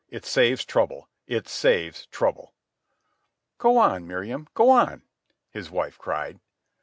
It saves trouble. It saves trouble." "Go on, Miriam, go on," his wife cried.